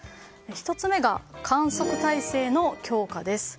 １つ目が、観測体制の強化です。